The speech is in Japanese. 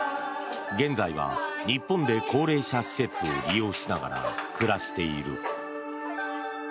現在は日本で高齢者施設を利用しながら暮らしている。